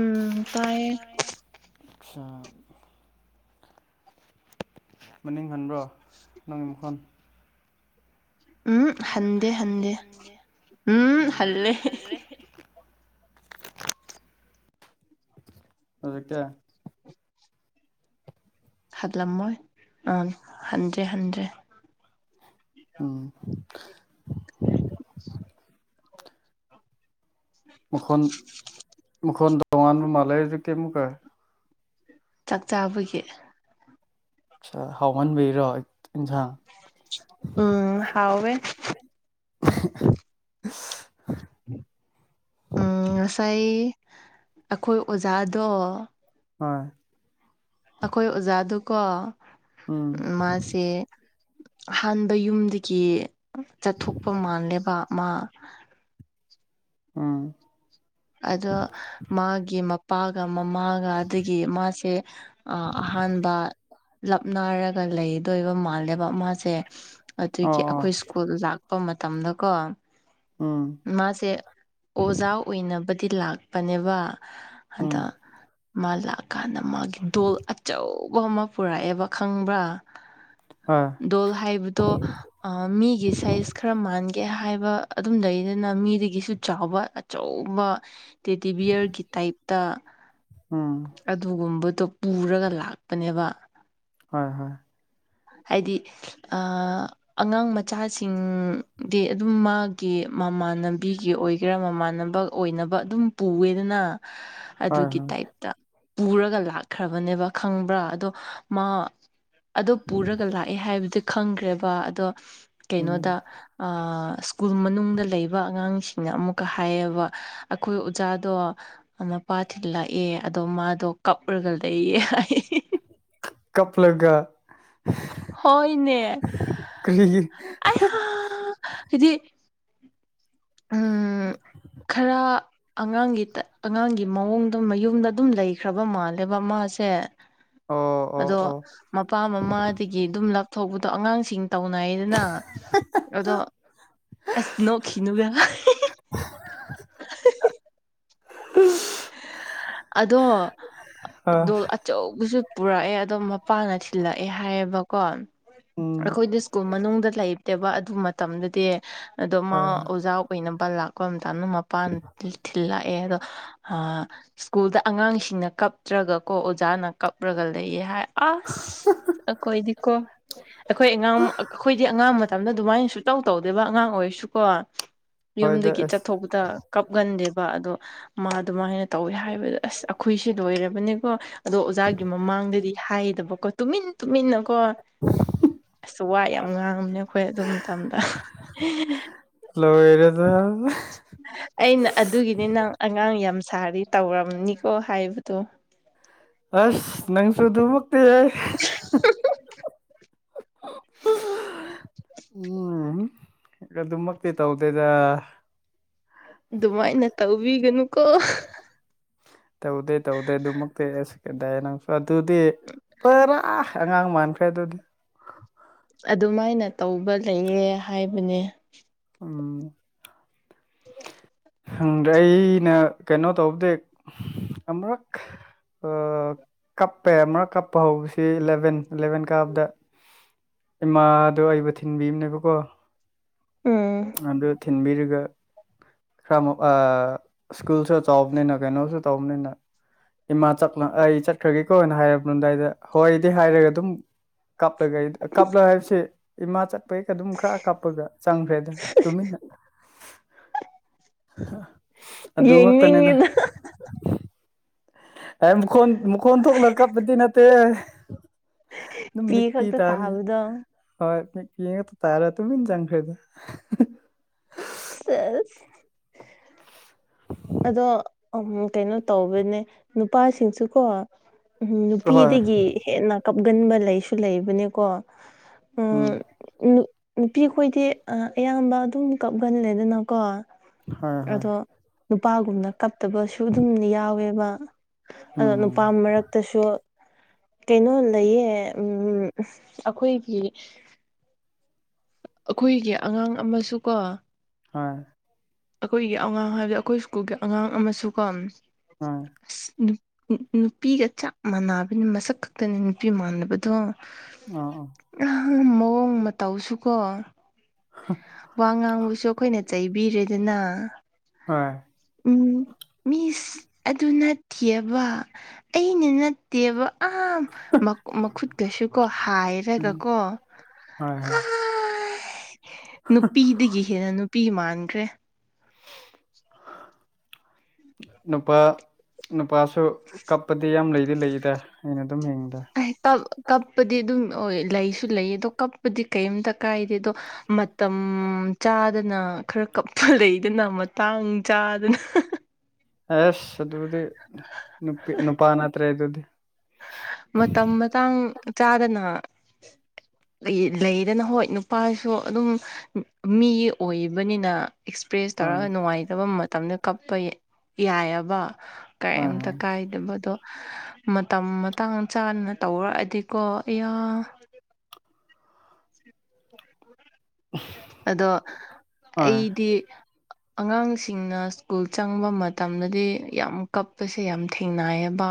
ꯎꯝ ꯇꯥꯏꯌꯦ ꯑꯆꯥ ꯃꯅꯤꯡ ꯍꯟꯕ꯭ꯔꯣ ꯅꯪꯒꯤ ꯃꯈꯣꯟ ꯎꯝ ꯍꯟꯗꯦ ꯍꯟꯗꯦ ꯎꯝ ꯍꯜꯂꯦ [unintelligible] [unintelligible] ꯍꯠꯂꯝꯃꯣꯏ ꯑ ꯍꯟꯗ꯭ꯔꯦ ꯍꯟꯗ꯭ꯔꯦ ꯑꯣ [inaudible] ꯃꯈꯣꯟ ꯃꯈꯣꯟ ꯇꯣꯉꯥꯟꯕ ꯃꯥꯜꯂꯦꯁ ꯀꯩꯝꯃꯨꯛꯀꯥꯏ ꯆꯥꯛ ꯆꯥꯕꯒꯤ ꯑꯠꯁꯥ ꯍꯥꯎꯃꯟꯕꯩꯔꯣ ꯏꯟꯁꯥꯡ ꯎꯝ ꯍꯥꯎꯋꯦ [inaudible] ꯎꯝ ꯉꯁꯥꯏ ꯑꯩꯈꯣꯏ ꯑꯣꯖꯥꯗꯣ ꯍꯣꯏ ꯑꯩꯈꯣꯏ ꯑꯣꯖꯥꯗꯨꯀꯣ ꯎꯝ ꯃꯥꯁꯤ ꯁꯦ ꯑꯍꯥꯟꯕ ꯌꯨꯝꯗꯒꯤ ꯆꯠꯊꯣꯛꯄ ꯃꯥꯜꯂꯦꯕ ꯃꯥ ꯎꯝ ꯑꯗꯣ ꯃꯥꯒꯤ ꯃꯄꯥꯒ ꯃꯃꯥꯒ ꯑꯗꯒꯤ ꯃꯥꯁꯦ ꯑꯍꯥꯟꯕ ꯂꯞꯅꯔꯒ ꯂꯩꯗꯣꯏꯕ ꯃꯥꯜꯂꯦꯕ ꯃꯥꯁꯦ ꯑꯣ ꯑꯗꯨꯒꯤ ꯑꯣ ꯑꯩꯈꯣꯏ ꯁ꯭ꯀꯨꯜ ꯂꯥꯛꯄ ꯃꯇꯝꯗꯀꯣ ꯎꯝ ꯃꯥꯁꯦ ꯑꯣꯖꯥ ꯑꯣꯏꯅꯕꯗꯤ ꯂꯥꯛꯄꯅꯦꯕ ꯎꯝ ꯑꯗ ꯃꯥ ꯂꯥꯛꯀꯥꯟꯗ ꯃꯥꯒꯤ ꯗꯣꯜ ꯑꯆꯧꯕ ꯑꯃ ꯄꯨꯔꯛꯑꯦꯕ ꯈꯪꯕ꯭ꯔꯥ ꯍꯣꯏ꯫ ꯗꯣꯜ ꯍꯥꯏꯕꯗꯣ ꯃꯤꯒꯤ ꯁꯥꯏꯖ ꯈꯔ ꯃꯥꯟꯒꯦ ꯍꯥꯏꯕ ꯑꯗꯨꯝ ꯂꯩꯗꯅ ꯃꯤꯗꯒꯤꯁꯨ ꯆꯥꯎꯕ ꯑꯆꯧꯕ ꯇꯦꯗꯤꯕꯤꯌꯔꯒꯤ ꯇꯥꯏꯞꯇ ꯎꯝ ꯑꯗꯨꯒꯨꯝꯕꯗꯣ ꯄꯨꯔꯒ ꯂꯥꯛꯄꯅꯦꯕ ꯍꯣꯏ ꯍꯣꯏ ꯍꯥꯏꯗꯤ ꯑꯥ ꯑꯉꯥꯡ ꯃꯆꯥꯁꯤꯡꯗꯤ ꯑꯗꯨꯝ ꯃꯥꯒꯤ ꯃꯃꯥꯟꯅꯕꯤꯒꯤ ꯑꯣꯏꯒꯦꯔꯥ ꯃꯃꯥꯟꯅꯕ ꯑꯣꯏꯅꯕ ꯑꯗꯨꯝ ꯄꯨꯋꯦꯗꯅ [inaudible] ꯑꯗꯨꯒꯤ ꯇꯥꯏꯞꯇ ꯄꯨꯔꯒ ꯂꯥꯛꯈ꯭ꯔꯥꯕꯅꯦꯕ ꯈꯪꯕ꯭ꯔꯥ ꯑꯗꯣ ꯃꯥ ꯑꯗꯨ ꯄꯨꯔꯒ ꯂꯥꯛꯑꯦ ꯍꯥꯏꯕꯗꯤ ꯈꯪꯈ꯭ꯔꯦꯕ ꯑꯗꯣ ꯎꯝ ꯀꯩꯅꯣꯗ ꯑꯥ ꯁ꯭ꯀꯨꯜ ꯃꯅꯨꯡꯗ ꯂꯩꯕ ꯑꯉꯥꯡꯁꯤꯡꯅ ꯑꯃꯨꯛꯀꯥ ꯍꯥꯏꯌꯦꯕ ꯑꯈꯣꯏ ꯑꯣꯖꯥꯗꯣ ꯃꯄꯥꯥ ꯊꯤꯜꯂꯛꯑꯦ ꯑꯗꯣ ꯃꯥꯗꯣ ꯀꯞꯔꯒ ꯂꯩꯌꯦ ꯍꯥꯏ [inaudible] ꯀꯞꯂꯒ ꯍꯣꯏꯅꯦ ꯀꯔꯤꯒꯤ ꯑꯌꯥ ꯍꯥꯏꯗꯤ ꯎꯝ ꯈꯔ ꯑꯉꯥꯡꯒꯤ ꯇꯥ ꯑꯉꯥꯡꯒꯤ ꯃꯑꯣꯡꯗꯨꯝ ꯃꯌꯨꯝꯗ ꯑꯗꯨꯝ ꯂꯩꯈ꯭ꯔꯥꯕ ꯃꯥꯜꯂꯦꯕ ꯃꯥꯁꯦ ꯑꯣ ꯑꯣ ꯑꯗꯣ ꯑꯣ ꯃꯄꯥ ꯃꯃꯥꯗꯒꯤ ꯑꯗꯨꯝ ꯂꯥꯞꯊꯣꯛꯄꯗꯣ ꯑꯉꯥꯡꯁꯤꯡ ꯇꯧꯅꯩꯗꯅ ꯑꯗꯣ ꯑꯁ ꯅꯣꯛꯈꯤꯅꯨꯗ [inaudible] [unintelligible] ꯑꯗꯣ ꯑ ꯗꯣꯜ ꯆꯧꯕꯁꯨ ꯄꯨꯔꯛꯑꯦ ꯑꯗꯣ ꯃꯄꯥꯅ ꯊꯤꯜꯂꯛꯑꯦ ꯍꯥꯏꯌꯦꯕꯀꯣ ꯎꯝ ꯑꯩꯈꯣꯏꯗ ꯁ꯭ꯀꯨꯜ ꯃꯅꯨꯡꯗ ꯂꯩꯇꯦꯕ ꯑꯗꯨ ꯃꯇꯝꯗꯗꯤ ꯑꯗꯣ ꯃꯥ ꯍꯣꯏ ꯑꯣꯖꯥ ꯑꯣꯏꯅꯕ ꯂꯥꯛ ꯀꯣꯏ ꯃꯇꯥꯝꯅ ꯃꯄꯥꯟ ꯊꯤꯜꯂꯛꯑꯦ ꯑꯗꯣ ꯍꯥ ꯁ꯭ꯀꯨꯜꯗ ꯑꯉꯥꯡꯁꯤꯡꯅ ꯀꯞꯇ꯭ꯔꯥꯒꯀꯣ ꯑꯣꯖꯥꯅ ꯀꯞꯔꯒ ꯂꯩꯌꯦ ꯍꯥꯏ ꯑꯁ ꯑꯈꯣꯏꯗꯤꯀꯣ ꯑꯩꯈꯣꯏ ꯑꯉꯥꯡ ꯑꯩꯈꯣꯏꯗꯤ ꯑꯉꯥꯡ ꯃꯇꯝꯗ ꯑꯗꯨꯃꯥꯏꯅꯁꯨ ꯇꯧ ꯇꯧꯗꯦꯕ ꯑꯉꯥꯡ ꯑꯣꯏꯔꯁꯨꯀꯣ ꯍꯣꯏꯗ ꯌꯨꯝꯗꯒꯤ ꯑꯁ ꯆꯠꯊꯣꯛꯄ ꯇꯥ ꯀꯞꯒꯟꯗꯦꯕ ꯑꯗꯣ ꯃꯥ ꯑꯗꯨꯃꯥꯏꯅ ꯇꯧꯋꯦ ꯍꯥꯏꯕꯗ ꯑꯁ ꯑꯩꯈꯣꯏꯁꯦ ꯂꯣꯏꯔꯕꯅꯤꯀꯣ ꯑꯗꯣ ꯑꯣꯖꯥꯒꯤ ꯃꯃꯥꯡꯗꯗꯤ ꯍꯥꯏꯗꯕꯀꯣ ꯇꯨꯃꯤꯟ ꯇꯨꯃꯤꯟꯅ ꯀꯣ [unintelligible] ꯑꯁ ꯋꯥ ꯌꯥꯝ ꯉꯥꯡꯉꯕꯅꯦ ꯑꯈꯣꯏ ꯑꯗꯨ ꯃꯇꯝꯗ ꯂꯣꯏꯔꯦꯗ ꯑꯩꯅ ꯑꯗꯨꯒꯤꯅꯤ ꯅꯪ ꯑꯉꯥꯡ ꯌꯥꯝ ꯁꯥꯔꯤ ꯇꯧꯔꯝꯅꯤꯀꯣ ꯍꯥꯏꯕꯗꯣ ꯑꯁ ꯅꯪꯁꯨ ꯑꯗꯨꯃꯛꯇꯤ ꯌꯥꯏ ꯎꯝ ꯑꯗꯨꯃꯛꯇꯤ ꯇꯧꯗꯦꯗ ꯑꯗꯨꯃꯥꯏꯅ ꯇꯧꯕꯤꯒꯅꯨꯀꯣ ꯇꯧꯗꯦ ꯇꯧꯗꯦ ꯑꯗꯨꯃꯛꯇꯤ ꯑꯁ ꯀꯗꯥꯏ ꯅꯣ ꯑꯗꯨꯗꯤ ꯄꯥꯔꯥ ꯑꯉꯥꯡ ꯃꯥꯟꯈ꯭ꯔꯦ ꯑꯗꯨꯗꯤ ꯑꯗꯨꯃꯥꯏꯅ ꯇꯧꯕ ꯂꯩꯌꯦ ꯍꯥꯏꯕꯅꯦ ꯎꯝ [inaudible] ꯈꯪꯗ꯭ꯔꯦ ꯑꯩꯅ ꯀꯩꯅꯣ ꯇꯧꯕꯗꯤ ꯑꯃꯨꯔꯛ ꯀꯞꯄꯦ ꯑꯃꯔꯛ ꯀꯞꯄ ꯍꯧꯕꯁꯤ ꯂꯦꯚꯦꯟ ꯏꯂꯥꯚꯦꯟ ꯀꯥꯕꯗ ꯏꯃꯥꯗꯣ ꯑꯩꯕꯨ ꯊꯤꯟꯕꯤꯕꯅꯦꯕꯀꯣ ꯎꯝ ꯑꯗꯨ ꯊꯤꯟꯕꯤꯔꯒ ꯈꯔ ꯃꯨꯛ ꯑꯥ ꯁ꯭ꯀꯨꯜꯁꯨ ꯆꯥꯎꯕꯅꯤꯅ ꯀꯩꯅꯣꯁꯨ ꯇꯧꯕꯅꯤꯅ ꯏꯃꯥ ꯆꯠꯂ ꯑꯩ ꯆꯠꯈ꯭ꯔꯒꯦꯀꯣꯅ ꯍꯥꯏꯔꯝꯗꯥꯏꯗꯥ ꯍꯣꯏꯗꯤ ꯍꯥꯏꯔꯒ ꯑꯗꯨꯝ ꯀꯞꯂꯒ ꯀꯥꯞꯂ ꯍꯥꯏꯕꯁꯤ ꯏꯃꯥ ꯆꯠꯄꯒꯤ ꯑꯗꯨꯝ ꯈꯔ ꯀꯥꯞꯄꯒ ꯆꯪꯈ꯭ꯔꯦꯗ ꯍꯣꯏꯅꯦ ꯑꯗꯨ ꯉꯛꯇꯅꯦꯗ ꯌꯦꯡꯅꯤꯡꯉꯤꯗ ꯑꯥꯢ ꯃꯈꯣꯟ ꯊꯣꯛꯂꯒꯥ ꯀꯞꯄꯥꯗꯤ ꯅꯠꯇꯦ ꯑꯗꯨꯝ ꯃꯤꯠ ꯄꯤ ꯈꯛꯇ ꯇꯥꯔꯦ ꯇꯥꯕꯗꯣ ꯍꯣꯏ ꯌꯦꯡꯕꯗꯥ ꯇꯥꯔꯦ ꯇꯨꯃꯤꯟ ꯆꯪꯈꯔ꯭ꯦꯗꯥ ꯁꯦꯁ ꯑꯗꯣ ꯀꯩꯅꯣ ꯇꯧꯕꯅꯦ ꯅꯨꯄꯥꯁꯤꯡꯁꯨꯀꯣ ꯎꯝ ꯍꯣꯏ ꯅꯨꯄꯤꯗꯒꯤ ꯍꯦꯟꯅ ꯀꯞꯀꯟꯕ ꯂꯩꯁꯨ ꯂꯩꯕꯅꯦꯀꯣ ꯎꯝ ꯅꯨꯄꯤ ꯈꯣꯏꯗꯤ ꯑꯌꯥꯝꯕ ꯑꯗꯨꯝ ꯀꯞꯀꯜꯂꯦꯗꯅꯀꯣ ꯍꯣꯏ ꯍꯣꯏ ꯑꯗꯣ ꯅꯨꯄꯥꯒꯨꯝꯅ ꯀꯞꯠꯇꯕꯁꯨ ꯑꯗꯨꯝ ꯌꯥꯎꯋꯦꯕ ꯑꯗꯣ ꯎꯝ ꯅꯨꯄꯥ ꯃꯔꯛꯇꯁꯨ ꯀꯩꯅꯣ ꯂꯩꯌꯦ ꯑꯩꯈꯣꯏꯒꯤ ꯑꯩꯈꯣꯏꯒꯤ ꯑꯉꯥꯡ ꯑꯃꯁꯨ ꯀꯣ ꯍꯣꯏ ꯑꯩꯈꯣꯏꯒꯤ ꯑꯉꯥꯡ ꯍꯥꯏꯕꯗꯤ ꯑꯩꯈꯣꯏ ꯁ꯭ꯀꯨꯜꯒꯤ ꯑꯉꯥꯡ ꯑꯃꯁꯨꯀꯣ ꯑ ꯍꯣꯏ ꯅꯨꯄꯤꯒ ꯆꯞ ꯃꯥꯟꯅꯕꯅꯤ ꯃꯁꯛ ꯈꯛꯇꯅꯤ ꯅꯨꯄꯤ ꯃꯥꯟꯅꯕꯗꯣ ꯑꯣ ꯑꯣ ꯃꯑꯣꯡ ꯃꯇꯧꯁꯨꯀꯣ ꯋꯥ ꯉꯥꯡꯕꯁꯨ ꯑꯩꯈꯣꯏꯅ ꯆꯩꯕꯤꯔꯦꯗꯅ ꯍꯣꯏ ꯃꯤꯁ ꯑꯗꯨ ꯅꯠꯇꯦꯕ ꯑꯩꯅ ꯅꯠꯇꯦꯕ ꯑꯍꯥꯝ ꯃꯈꯨꯠꯀꯁꯨ ꯀꯣ ꯎꯝ ꯍꯥꯏꯔꯒꯀꯣ ꯍꯣꯏ ꯍꯣꯏ ꯅꯨꯄꯤꯗꯒꯤ ꯍꯦꯟꯅ ꯅꯨꯄꯤ ꯃꯥꯟꯈ꯭ꯔꯦ [unintelligible] ꯅꯨꯄꯥ ꯅꯨꯄꯥꯁꯨ ꯀꯞꯄꯗꯤ ꯌꯥꯝ ꯂꯩꯗꯤ ꯂꯩꯗ ꯑꯩꯅ ꯑꯗꯨꯝ ꯌꯦꯡꯕꯗꯥ ꯑꯩ ꯇꯧ ꯀꯞꯄꯗꯤ ꯑꯗꯨꯝ ꯑꯣꯏ ꯂꯩꯁꯨ ꯂꯩꯌꯦ ꯑꯗꯣ ꯀꯞꯄꯗꯤ ꯀꯩꯝꯇ ꯀꯥꯏꯗꯦ ꯑꯗꯣ ꯃꯇꯝ ꯆꯥꯗꯅ ꯈꯔ ꯀꯞꯄꯥ ꯂꯩꯗꯅ ꯃꯇꯥꯡ ꯆꯥꯗꯅ ꯑꯦꯁ ꯑꯗꯨꯗꯤ ꯅꯨꯄꯤ ꯅꯨꯄꯥ ꯅꯠꯇ꯭ꯔꯦ ꯑꯗꯨꯗꯤ ꯃꯇꯝ ꯃꯇꯥꯡ ꯆꯥꯗꯅ ꯂꯩꯗꯅ ꯍꯣꯏ ꯅꯨꯄꯥꯁꯨ ꯑꯗꯨꯝ ꯃꯤ ꯑꯣꯏꯕꯅꯤꯅ ꯑꯦꯛꯁꯄ꯭ꯔꯦꯁ ꯑꯥ ꯇꯧꯔꯒ ꯅꯨꯡꯉꯥꯏꯇꯕ ꯃꯇꯝꯗ ꯀꯞꯄ ꯌꯥꯏꯌꯦꯕꯥ ꯍꯣꯏ ꯀꯩꯝꯇ ꯍꯣꯏ ꯀꯥꯏꯗꯕ ꯑꯗꯣ ꯃꯇꯝ ꯇꯥꯟ ꯆꯥꯅ ꯇꯧꯔꯛꯑꯗꯤꯀꯣ ꯑꯌꯥ ꯑꯗꯣ ꯍꯣꯏ ꯑꯩꯗꯤ ꯑꯉꯥꯡꯁꯤꯡꯅ ꯁ꯭ꯀꯨꯜ ꯆꯪꯕ ꯃꯇꯝꯗꯗꯤ ꯌꯥꯝ ꯀꯞꯄꯁꯦ ꯌꯥꯝ ꯊꯦꯡꯅꯩꯕꯥ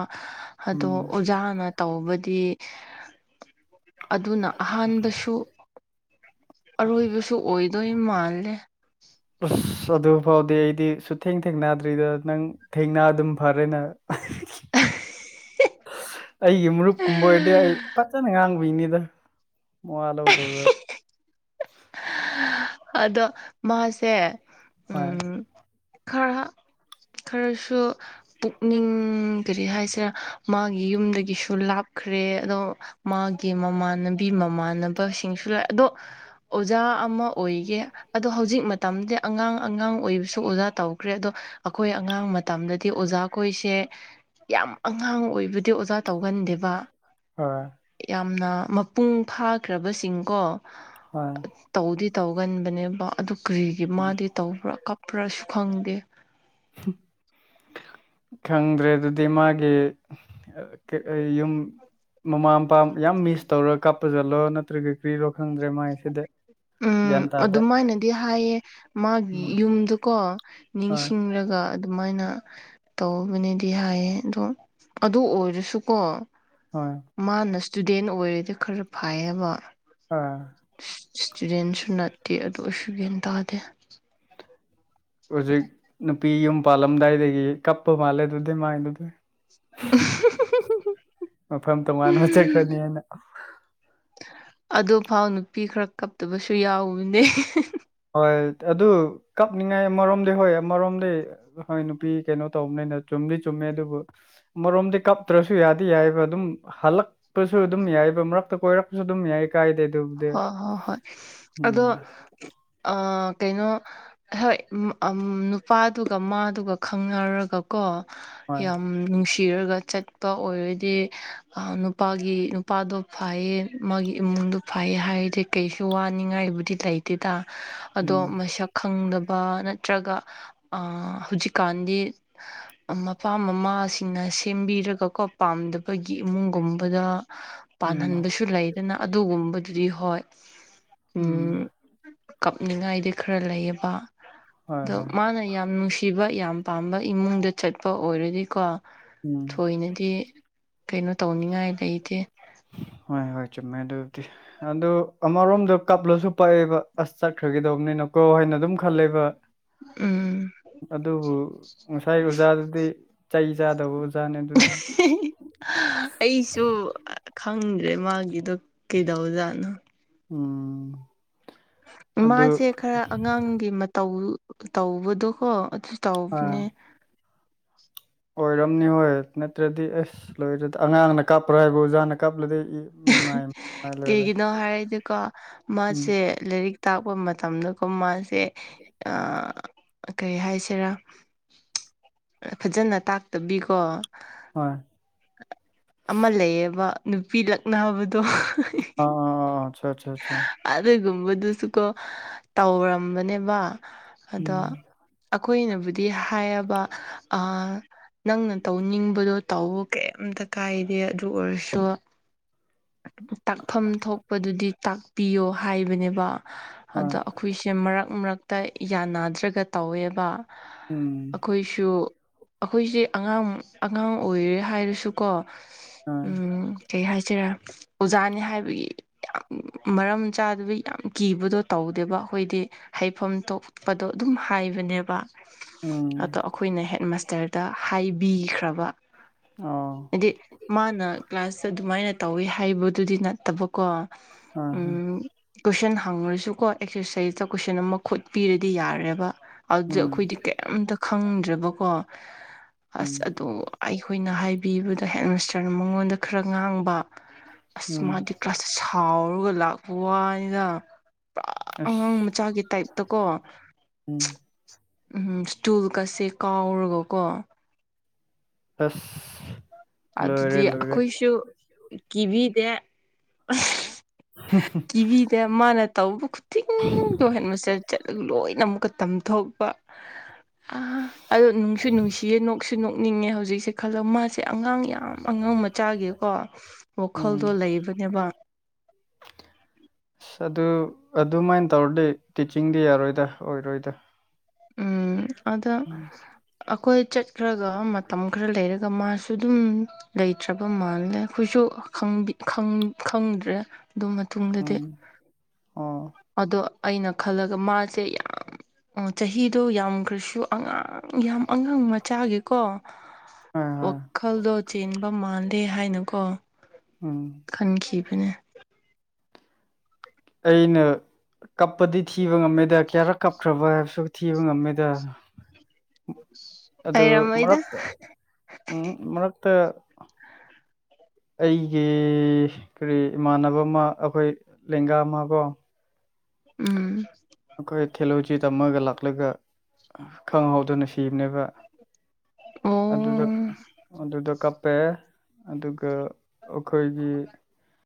ꯑꯗꯣ ꯎꯝ ꯑꯣꯖꯥꯅ ꯇꯧꯕꯗꯤ ꯑꯗꯨꯅ ꯑꯍꯥꯟꯕꯁꯨ ꯑꯔꯣꯏꯕꯁꯨ ꯑꯣꯏꯗꯣꯏ ꯃꯥꯜꯂꯦ ꯑꯁ ꯑꯗꯨ ꯐꯥꯎꯗꯤ ꯑꯩꯗꯤ ꯁꯨꯊꯦꯡ ꯊꯦꯡꯅꯗ꯭ꯔꯤꯗꯥ ꯅꯪ ꯊꯦꯡꯅ ꯑꯗꯨꯝ ꯐꯔꯦꯅ, ꯑ [unintelligible] ꯑꯩꯒꯤ ꯃꯔꯨꯞꯀꯨꯝꯕ ꯑꯣꯏꯔꯗꯤ ꯑꯩ ꯐꯖꯅ ꯉꯥꯡꯕꯤꯅꯤꯗ ꯃꯋꯥ ꯂꯧꯗꯕꯗ ꯎ [unintelligible] ꯑꯗꯣ ꯃꯥꯁꯦ ꯍꯣꯏ ꯈꯔꯥ ꯈꯔꯥꯁꯨ ꯄꯨꯛꯅꯤꯡ ꯀꯔꯤ ꯍꯥꯏꯁꯤꯔ ꯃꯥꯒꯤ ꯌꯨꯝꯗꯒꯤꯁꯨ ꯂꯥꯞꯈ꯭ꯔꯦ ꯑꯗꯣ ꯃꯥꯒꯤ ꯃꯃꯥꯟꯅꯕꯤ ꯃꯃꯥꯟꯅꯕꯁꯤꯡꯁꯨ ꯂꯥꯛꯑꯦ ꯑꯗꯣ ꯑꯣꯖꯥ ꯑꯃ ꯑꯣꯏꯒꯦ ꯑꯗꯣ ꯍꯧꯖꯤꯛ ꯃꯇꯝꯗꯤ ꯑꯉꯥꯡ ꯑꯉꯥꯡ ꯑꯣꯏꯕꯁꯨ ꯑꯣꯖꯥ ꯇꯧꯈ꯭ꯔꯦ ꯑꯗꯣ ꯑꯩꯈꯣꯏ ꯑꯉꯥꯡ ꯃꯇꯝꯗꯥꯗꯤ ꯑꯣꯖꯥ ꯑꯩꯈꯣꯏꯁꯦ ꯌꯥꯝ ꯑꯉꯥꯡ ꯑꯣꯏꯕꯗꯤ ꯑꯣꯖꯥ ꯇꯧꯒꯟꯗꯦꯕꯥ ꯑ ꯌꯥꯝꯅ ꯃꯄꯨꯡ ꯐꯥꯈ꯭ꯔꯕꯁꯤꯡ ꯀꯣ ꯍꯣꯏ ꯇꯧꯗꯤ ꯇꯧꯒꯟꯕꯅꯦꯕꯥ ꯑꯗꯨ ꯀ꯭ꯔꯤꯒꯤ ꯃꯥꯗꯤ ꯇꯧꯕ꯭ꯔꯥ ꯀꯞꯄ꯭ꯔꯥꯁꯨ ꯈꯪꯗꯦ ꯎ [unintelligible] ꯈꯪꯗ꯭ꯔꯦ ꯑꯗꯨꯗꯤ ꯃꯥꯒꯤ ꯌꯨꯝ ꯃꯃꯥ ꯃꯄꯥ ꯌꯥꯝ ꯃꯤꯁ ꯇꯧꯔꯥ ꯀꯥꯞꯄ ꯖꯠꯂꯣ ꯅꯠꯇ꯭ꯔꯒ ꯀ꯭ꯔꯤꯔꯣ ꯈꯪꯗ꯭ꯔꯦ ꯃꯥꯏꯁꯤꯗꯤ ꯎꯝ ꯇꯥꯗꯦ ꯑꯗꯨꯃꯥꯏꯅꯗꯤ ꯍꯥꯏꯌꯦ ꯃꯥꯒꯤ ꯎꯝ ꯌꯨꯝꯗꯨꯀꯣ ꯍꯣꯏ ꯅꯤꯡꯁꯤꯡꯂꯒꯥ ꯑꯗꯨꯃꯥꯏꯅ ꯇꯧꯕꯅꯦꯗꯤ ꯍꯥꯏꯌꯦ ꯑꯗꯣ ꯑꯗꯨ ꯑꯣꯏꯔꯥꯁꯨꯀꯣ ꯍꯣꯏ ꯃꯥꯅ ꯏꯁꯇꯨꯗꯦꯟ ꯑꯣꯏꯔꯦꯗꯤ ꯈꯔꯥ ꯐꯩꯌꯦꯕ ꯑꯥ ꯏꯁꯇꯨꯗꯦꯟꯁꯨ ꯅꯠꯇꯦ ꯑꯗꯨ ꯑꯣꯏꯁꯨ ꯒ꯭ꯌꯥꯟ ꯇꯥꯗꯦ ꯍꯧꯖꯤꯛ ꯅꯨꯄꯤ ꯌꯨꯝ ꯄꯥꯜꯂꯝꯗꯥꯏꯗꯒꯤ ꯀꯞꯄꯥ ꯃꯥꯜꯂꯦ ꯑꯗꯨꯗꯤ ꯃꯥꯏꯗꯨꯗꯤ ꯃꯐꯝ ꯇꯣꯉꯥꯟꯅ ꯆꯠꯈ꯭ꯔꯅꯤ ꯍꯥꯏꯅ ꯑꯗꯨꯐꯥꯎ ꯅꯨꯄꯤ ꯈꯔ ꯀꯞꯇꯥꯕꯁꯨ ꯌꯥꯎꯕꯅꯦ ꯍꯣꯏ ꯑꯗꯨ ꯀꯞꯅꯤꯡꯉꯥꯏ ꯑꯃꯔꯣꯝꯗꯤ ꯍꯣꯏ ꯑꯃꯔꯣꯝꯗꯤ ꯍꯣꯏ ꯅꯨꯄꯤ ꯀꯩꯅꯣ ꯇꯧꯕꯅꯤꯅ ꯆꯨꯝꯗꯤ ꯆꯨꯝꯃꯦ ꯑꯗꯨꯕꯨ ꯑꯃꯔꯣꯝꯗꯤ ꯀꯞꯇ꯭ꯔꯁꯨ ꯌꯥꯗꯤ ꯌꯥꯏꯕ ꯑꯗꯨꯝ ꯍꯜꯂꯛ ꯁꯨ ꯑꯗꯨꯝ ꯌꯥꯏꯕ ꯃꯔꯛꯇ ꯀꯣꯏꯔꯛꯄꯁꯨ ꯑꯗꯨꯝ ꯌꯥꯏ ꯀꯥꯏꯗꯦ ꯑꯗꯨꯕꯨꯗꯤ ꯍꯣ ꯍꯣ ꯍꯣꯏ ꯑꯗꯣ ꯎꯝ ꯑꯥ ꯀꯩꯅꯣ ꯍꯣꯏ ꯅꯨꯄꯥꯗꯨꯒ ꯃꯥꯗꯨꯒ ꯈꯪꯅꯔꯒꯀꯣ ꯍꯣꯏ ꯌꯥꯝ ꯅꯨꯡꯁꯤꯔꯥꯒ ꯆꯠꯄ ꯑꯣꯏꯔꯗꯤ ꯅꯨꯄꯥꯒꯤ ꯅꯨꯄꯥꯗꯣ ꯐꯥꯏꯌꯦ ꯃꯥꯒꯤ ꯏꯃꯨꯡꯗꯨ ꯐꯩ ꯍꯥꯏꯔꯗꯤ ꯀꯩꯁꯨ ꯋꯥꯅꯤꯡꯉꯥꯏꯕꯨꯗꯤ ꯂꯩꯇꯦꯗ ꯑꯗꯣ ꯎꯝ ꯃꯁꯛ ꯈꯪꯗꯕ ꯅꯠꯇ꯭ꯔꯒ ꯑꯥ ꯍꯧꯖꯤꯛꯀꯥꯟꯗꯤ ꯃꯄꯥ ꯃꯃꯥꯁꯤꯡꯅ ꯁꯦꯝꯕꯤꯔꯒꯀꯣ ꯄꯥꯝꯗꯕꯒꯤ ꯏꯃꯨꯡꯒꯨꯝꯕꯗ ꯎꯝ ꯄꯥꯟꯍꯟꯕꯁꯨ ꯂꯩꯗꯅ ꯑꯗꯨꯒꯨꯝꯕꯗꯨꯗꯤ ꯍꯣꯏ ꯎꯝ ꯀꯞꯅꯤꯡꯉꯥꯏꯗꯤ ꯈꯔ ꯂꯩꯌꯦꯕ ꯍꯣꯏ ꯑꯗꯣ ꯍꯣꯏ ꯃꯥꯅ ꯌꯥꯝ ꯅꯨꯡꯁꯤ ꯁꯤꯕ ꯌꯥꯝ ꯄꯥꯝꯕ ꯏꯃꯨꯡꯗ ꯆꯠꯄ ꯑꯣꯏꯔꯗꯤꯀꯣ ꯎꯝ ꯑꯣꯏꯅꯗꯤ ꯀꯩꯅꯣ ꯇꯧꯅꯤꯡꯉꯥꯏ ꯂꯩꯇꯦ ꯍꯣꯏ ꯍꯣꯏ ꯆꯨꯝꯃꯦ ꯑꯗꯨꯗꯤ ꯑꯗꯨ ꯑꯃꯔꯣꯝꯗ ꯀꯞꯂꯁꯨ ꯄꯛꯑꯦꯕ ꯑꯁ ꯆꯠꯈ꯭ꯔꯒꯤꯗꯧꯕꯅꯤꯅꯀꯣ ꯍꯥꯏꯅ ꯑꯗꯨꯝ ꯈꯜꯂꯦꯕ ꯎꯝ ꯑꯗꯨꯕꯨ ꯉꯁꯥꯏ ꯑꯣꯖꯥꯗꯨꯗꯤ ꯆꯩ ꯆꯥꯗꯧꯕ ꯑꯣꯖꯥꯅꯦ ꯑꯗꯨꯗꯤ꯫ ꯑꯩꯁꯨ ꯈꯪꯗ꯭ꯔꯦ ꯃꯥꯒꯤꯗꯣ ꯀꯩꯗꯧꯖꯥꯠꯅꯣ꯫ ꯎꯝ꯫ ꯑꯗꯨ ꯃꯥꯁꯦ ꯈꯔ ꯑꯉꯥꯡꯒꯤ ꯃꯇꯧ ꯇꯧꯕꯗꯣꯀꯣ ꯑꯗꯨ ꯑꯥ ꯇꯧꯕꯅꯦ꯫ ꯑꯣꯏꯔꯝꯅꯤ ꯍꯣꯏ ꯅꯠꯇ꯭ꯔꯗꯤ ꯑꯁ ꯂꯣꯏꯔꯦꯗ ꯑꯉꯥꯡꯅ ꯀꯞꯄ꯭ꯔꯣ ꯍꯥꯏꯕꯨ ꯑꯣꯖꯥꯅ ꯀꯞꯂꯗꯤ ꯏ꯫ ꯏꯃꯥꯏ ꯃꯥꯏ ꯂꯣꯏꯔꯦ ꯀꯩꯒꯤꯅꯣ ꯍꯥꯏꯔꯗꯤꯀꯣ ꯎꯝ ꯃꯥꯁꯦ ꯂꯥꯏꯔꯤꯛ ꯇꯥꯛꯄ ꯃꯇꯝꯗꯒ ꯃꯥꯁꯦ ꯑ ꯀꯩ ꯍꯥꯏꯁꯦꯔꯥ ꯐꯖꯅ ꯇꯥꯛꯇꯕꯤꯀꯣ꯫ ꯍꯣꯏ꯫ ꯑꯃ ꯂꯩꯌꯦꯕ ꯅꯨꯄꯤ ꯂꯛꯅꯕꯗꯣ [unintelligible] ꯑ-ꯑ-ꯑ-ꯑ ꯑꯆ-ꯆ-ꯆ꯫ ꯑꯗꯨꯒꯨꯝꯕꯗꯨꯁꯨꯀꯣ ꯇꯧꯔꯝꯕꯅꯦꯕ ꯑꯗꯣ꯫ ꯎꯝ ꯑꯩꯈꯣꯏꯅꯕꯨꯗꯤ ꯍꯥꯏꯌꯦꯕ ꯑ ꯅꯪꯅ ꯇꯧꯅꯤꯡꯕꯗꯣ ꯇꯧꯕ ꯀꯩꯝꯇ ꯀꯥꯏꯗꯦ ꯑꯗꯨ ꯑꯣꯏꯔꯁꯨ ꯇꯥꯛꯐꯝ ꯊꯣꯛꯄꯗꯨꯗꯤ ꯇꯥꯛꯄꯤꯌꯣ ꯍꯥꯏꯕꯅꯦꯕ ꯍꯣꯏ ꯑꯗ ꯑꯩꯈꯣꯏꯁꯦ ꯃꯔꯛ ꯃꯔꯛꯇ ꯌꯥꯅꯗ꯭ꯔꯒ ꯇꯧꯋꯦꯕ꯫ ꯎꯝ꯫ ꯑꯩꯈꯣꯏꯁꯨ ꯑꯩꯈꯣꯏꯁꯦ ꯑꯉꯥꯡ ꯑꯉꯥꯡ ꯑꯣꯏꯔꯤ ꯍꯥꯏꯔꯁꯨ ꯀꯣ ꯍꯣꯏ ꯎꯝ ꯀꯩ ꯍꯥꯏꯁꯤꯔꯦ ꯑꯣꯖꯥꯅꯦ ꯍꯥꯏꯕꯒꯤ ꯌꯥꯝ ꯃꯔꯝ ꯆꯥꯗꯕꯩ ꯌꯥꯝ ꯀꯤꯕꯗꯣ ꯇꯧꯗꯦꯕ ꯑꯩꯈꯣꯏꯗꯤ꯫ ꯍꯥꯏꯐꯝ ꯊꯣꯛꯄꯗꯣ ꯑꯗꯨꯝ ꯍꯥꯏꯕꯅꯦꯕ꯫ ꯎꯝ ꯑꯗꯣ ꯑꯩꯈꯣꯏꯅ ꯍꯦꯠꯃꯥꯁꯇꯔꯗ ꯍꯥꯏꯕꯤꯈ꯭ꯔꯕ꯫ ꯑꯣ ꯍꯥꯏꯗꯤ ꯃꯥꯅ ꯀ꯭ꯂꯥꯁꯇ ꯑꯗꯨꯃꯥꯏꯅ ꯇꯧꯋꯤ ꯍꯥꯏꯕꯗꯨꯗꯤ ꯅꯠꯇꯕꯀꯣ꯫ ꯑꯥ ꯍ꯫ ꯎꯝ ꯀꯣꯏꯁꯟ ꯍꯪꯉꯨꯔꯁꯨ ꯀꯣ ꯑꯦꯛꯁꯔꯁꯥꯏꯁꯇ ꯀꯣꯏꯁꯟ ꯑꯃ ꯈꯣꯠꯄꯤꯔꯗꯤ ꯌꯥꯔꯦꯕ꯫ ꯑꯗꯨꯗ ꯎꯝ ꯑꯩꯈꯣꯏꯗꯤ ꯀꯩꯝꯇ ꯈꯪꯗ꯭ꯔꯦꯕꯀꯣ ꯎꯝ ꯑꯁ ꯑꯗꯨ ꯑꯩꯈꯣꯏꯅ ꯍꯥꯏꯕꯤꯕꯗ ꯍꯦꯠꯃꯥꯁꯇꯔꯅ ꯃꯉꯣꯟꯗ ꯈꯔ ꯉꯥꯡꯕ ꯑꯁ ꯎꯝ ꯃꯥꯗꯤ ꯀ꯭ꯂꯥꯁ ꯁꯥꯎꯔꯒ ꯂꯥꯛꯄ ꯋꯥꯅꯤꯗ ꯄꯨꯔꯥ ꯑꯉꯥꯡ ꯑꯁ ꯃꯆꯥꯒꯤ ꯇꯥꯏꯞꯇꯀꯣ꯫ ꯎꯝ꯫ ꯎꯝ ꯁ꯭ꯇꯨꯜ ꯀꯁꯦ ꯀꯥꯎꯔꯒ ꯀꯣ꯫ ꯑꯁ꯫ ꯂꯣꯏꯔꯦ ꯑꯗꯨꯗꯤ ꯂꯣꯏꯔꯦ ꯑꯩꯈꯣꯏꯁꯨ ꯀꯤꯕꯤꯗꯦ [unintelligible] ꯍ꯫ ꯀꯤꯕꯤ ꯇꯦ ꯃꯥꯅ ꯇꯧꯕ ꯈꯨꯗꯤꯡꯗꯣ ꯍꯦꯠꯃꯁꯇꯔ ꯆꯠꯂꯒ ꯂꯣꯏꯅ ꯑꯃꯨꯛꯀ ꯇꯝꯊꯣꯛꯄ꯫ ꯑ ꯑꯗꯣ ꯅꯨꯡꯁꯨ ꯅꯨꯡꯁꯤꯌꯦ ꯅꯣꯛꯁꯨ ꯅꯣꯛꯅꯤꯡꯉꯦ ꯍꯧꯖꯤꯛꯁꯦ ꯈꯜꯂꯣ ꯃꯥꯁꯦ ꯑꯉꯥꯡ ꯌꯥꯝ ꯑꯉꯥꯡ ꯃꯆꯥꯒꯤꯀꯣ ꯎꯝ ꯋꯥꯈꯜꯗꯣ ꯂꯩꯕꯅꯦꯕ꯫ ꯑꯁ ꯑꯗꯨ ꯑꯗꯨꯃꯥꯏꯅ ꯇꯧꯔꯗꯤ ꯇꯤꯆꯤꯡꯗꯤ ꯌꯥꯔꯣꯏꯗ ꯑꯣꯏꯔꯣꯏꯗ꯫ ꯎꯝ ꯑꯗꯣ [inaudible] ꯑꯩꯈꯣꯏ ꯆꯠꯈ꯭ꯔꯒ ꯃꯇꯝ ꯈꯔ ꯂꯩꯔꯒ ꯃꯥꯁꯨ ꯑꯗꯨꯝ ꯂꯩꯇ꯭ꯔꯕ ꯃꯥꯜꯂꯦ ꯑꯩꯈꯣꯏꯁꯨ ꯈꯪ ꯈꯪ ꯈꯪ ꯈꯪꯗ꯭ꯔꯦ ꯑꯗꯨ ꯃꯇꯨꯡ ꯎꯝ ꯑꯣ ꯑꯗꯣ ꯑꯩꯅ ꯈꯜꯂꯒ ꯃꯥꯁꯦ ꯌꯥꯝ ꯑꯣ ꯆꯍꯤꯗꯣ ꯌꯥꯝꯈ꯭ꯔꯁꯨ ꯑꯉꯥꯡ ꯌꯥꯝ ꯑꯉꯥꯡ ꯃꯆꯥꯒꯤꯀꯣ ꯍꯣꯏ ꯍꯣꯏ ꯋꯥꯈꯜꯗꯣ ꯆꯦꯟꯕ ꯃꯥꯟꯂꯦ ꯍꯥꯏꯅꯀꯣ ꯎꯝ ꯈꯟꯈꯤꯕꯅꯦ ꯑꯩꯅ ꯀꯞꯄꯗꯤ ꯊꯤꯕ ꯉꯝꯃꯦꯗ ꯀꯌꯥꯔꯛ ꯀꯞꯈ꯭ꯔꯕ ꯍꯥꯏꯕꯁꯨ ꯊꯤꯕ ꯉꯝꯃꯦꯗ ꯑꯗꯨ ꯂꯩꯔꯝꯃꯣꯏꯗ ꯃꯔꯛꯇ ꯎꯝ ꯃꯔꯛꯇ ꯑꯩꯒꯤ ꯀꯔꯤ ꯏꯃꯥꯟꯅꯕ ꯑꯃ ꯑꯩꯈꯣꯏ ꯂꯦꯡꯒꯥ ꯑꯃ ꯀꯣ ꯎꯝ ꯑꯩꯈꯣꯏ ꯈꯦꯂꯣꯏꯇꯔꯤ ꯇꯝꯃꯒ ꯂꯥꯛꯄ ꯂꯥꯛꯂꯒ ꯈꯪꯍꯧꯗꯅ ꯁꯤꯕꯅꯦꯕ ꯑꯗꯨꯗ ꯑꯣ ꯑꯗꯨꯗ ꯀꯞ ꯄꯦ ꯑꯗꯨꯒ ꯑꯩꯈꯣꯏꯒꯤ